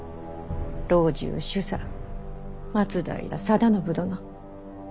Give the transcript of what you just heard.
老中首座松平定信殿。